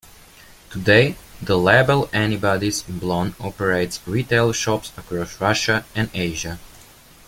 Today, the label Anybody's Blonde operates retail shops across Russia and Asia.